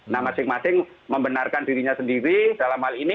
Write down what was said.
nah masing masing membenarkan dirinya sendiri dalam hal ini